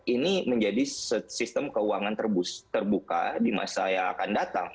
ini menjadi sistem keuangan terbuka di masa yang akan datang